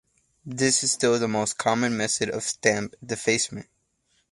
This is still the most common method of stamp defacement.